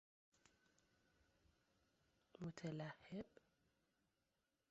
متلهب